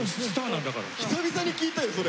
久々に聞いたよそれ。